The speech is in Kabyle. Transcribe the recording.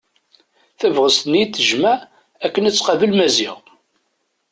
Tabɣest-nni i d-tejmeɛ akken ad tqabel Maziɣ.